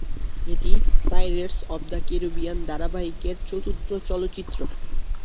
এটি "pirates of the Caribbean" ধারাবাহিকের চতুর্থ চলচ্চিত্র।